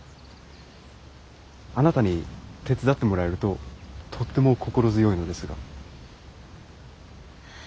あなたに手伝ってもらえるととっても心強いのですが。